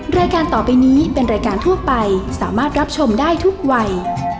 รายการต่อไปนี้เป็นรายการทั่วไปสามารถรับชมได้ทุกวัย